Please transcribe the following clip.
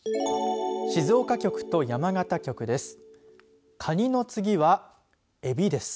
静岡局と山形局です。